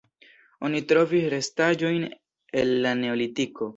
Oni trovis restaĵojn el la neolitiko.